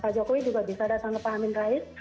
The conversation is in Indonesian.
pak jokowi juga bisa datang ke pak amin rais